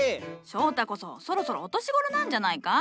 翔太こそそろそろお年頃なんじゃないか？